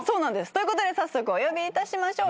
ということで早速お呼びいたしましょう。